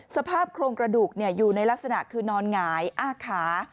สภาพโครงกระดูกอยู่ในลักษณะคือนอนหงายอ้าขา